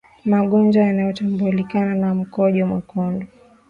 Magonjwa yanayotambulika kwa mkojo mwekundu